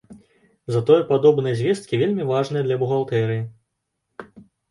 Затое падобныя звесткі вельмі важныя для бухгалтэрыі.